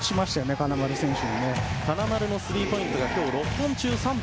金丸のスリーポイントが６本中３本。